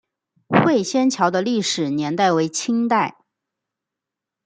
会仙桥的历史年代为清代。